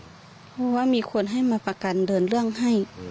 เพราะว่ามีคนให้มาประกันเดินเรื่องให้